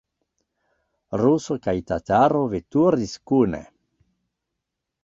Ruso kaj tataro veturis kune.